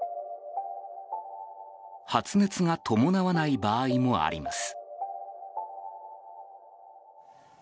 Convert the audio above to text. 発熱が伴わない場合もあります。